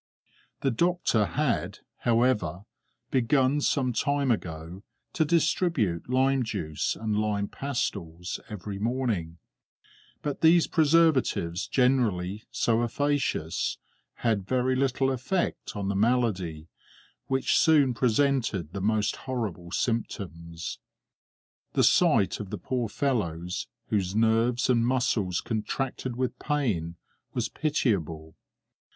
The doctor had, however, begun, some time ago, to distribute limejuice and lime pastilles every morning; but these preservatives, generally so efficacious, had very little effect on the malady, which soon presented the most horrible symptoms. The sight of the poor fellows, whose nerves and muscles contracted with pain, was pitiable.